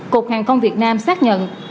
cục hàng công việt nam xác nhận